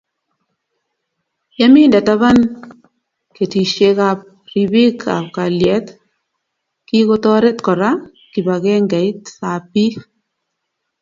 Ye minde taban ketishek ab ripik a kalyet, kikotoret kora kibangengeit ab biik